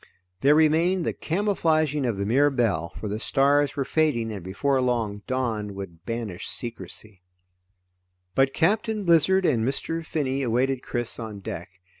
There remained the camouflaging of the Mirabelle, for the stars were fading and before long, dawn would banish secrecy. But Captain Blizzard and Mr. Finney awaited Chris on deck.